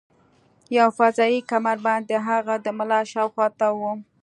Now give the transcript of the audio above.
یو فضايي کمربند د هغه د ملا شاوخوا تاو و